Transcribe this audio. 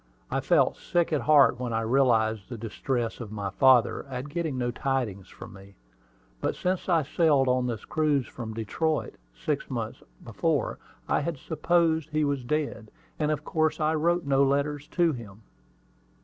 I felt sick at heart when I realized the distress of my father at getting no tidings from me. But since I sailed on this cruise from Detroit, six months before, I had supposed he was dead, and of course I wrote no letters to him.